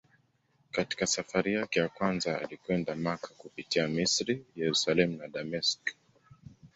Katika safari yake ya kwanza alikwenda Makka kupitia Misri, Yerusalemu na Dameski.